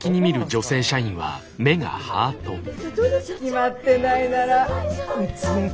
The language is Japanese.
決まってないならうちへ来ない？